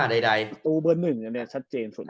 มีธูเบอร์นึงแสดงสุดน่ะ